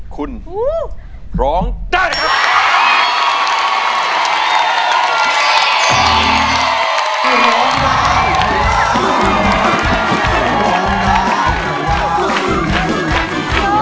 โทษให้โทษให้โทษให้โทษให้